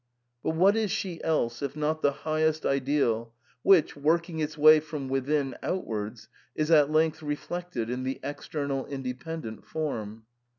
But what is she else if not the Highest Ideal which, working its way from within outwards, is at length reflected in the external independent form